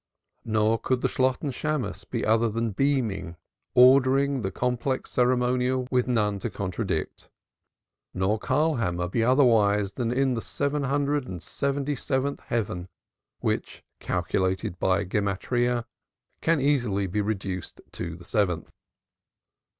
Nor could the Shalotten Shammos be other than beaming, ordering the complex ceremonial with none to contradict; nor Karlkammer be otherwise than in the seven hundred and seventy seventh heaven, which, calculated by Gematriyah, can easily be reduced to the seventh.